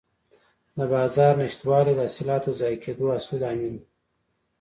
د بازار نشتوالی د حاصلاتو ضایع کېدو اصلي لامل دی.